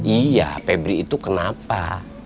iya pebri itu kenapa